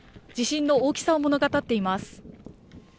地震の大きさを物語っています。